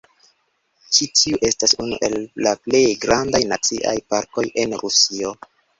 Ĉi tiu estas unu el la plej grandaj naciaj parkoj en Rusio.